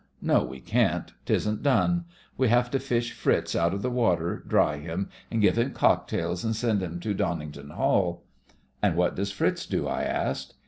"No, we can't. 'Tisn't done. We have to fish Fritz out of the water, dry him, and give him cocktails, and send him to Donnington Hall." "And what does Fritz do?" I asked.